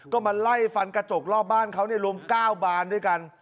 ก็มาไล่ฟันกระจกรอบบ้านเขารวม๙บานด้วยกัน